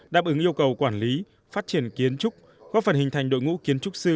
đáp ứng yêu cầu quản lý phát triển kiến trúc góp phần hình thành đội ngũ kiến trúc sư